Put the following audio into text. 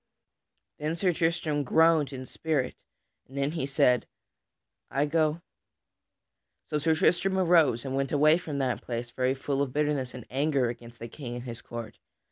Then Sir Tristram groaned in spirit, and then he said, "I go." So Sir Tristram arose and went away from that place very full of bitterness and anger against the King and his court.